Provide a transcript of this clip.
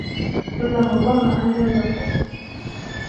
إِنَّهُ ظَنَّ أَنْ لَنْ يَحُورَ